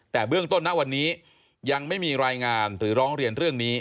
แต่เบื้องต้นนะวันนี้ยังไม่มีรายงานหรือร้องเรียนเรื่องนี้